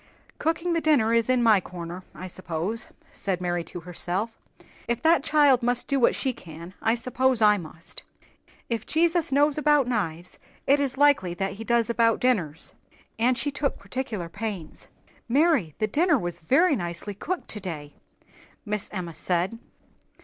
"Cooking the dinner is in my corner, I suppose," said Mary to herself. "If that child must do what she can, I suppose I must. If Jesus knows about knives, it is likely that he does about dinners." And she took particular pains. "Mary, the dinner was very nicely cooked today," Miss Emma said.